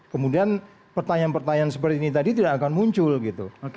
kemudian pertanyaan pertanyaan seperti ini tadi tidak akan muncul gitu